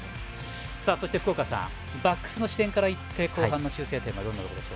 そして福岡さんバックスの視点から後半の修正点は？